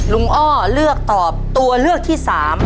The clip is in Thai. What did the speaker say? อ้อเลือกตอบตัวเลือกที่๓